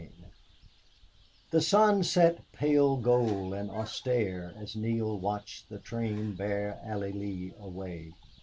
33 The sun set pale gold and austere as Neale watched the train bear Allie Lee away.